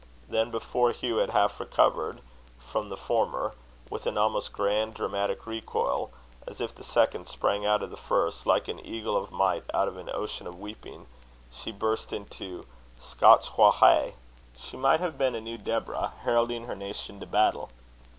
Then, before Hugh had half recovered from the former, with an almost grand dramatic recoil, as if the second sprang out of the first, like an eagle of might out of an ocean of weeping, she burst into Scots wha hae. She might have been a new Deborah, heralding her nation to battle.